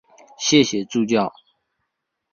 谢谢助教